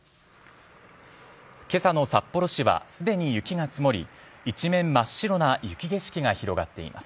今朝の札幌市はすでに雪が積もり一面、真っ白な雪景色が広がっています。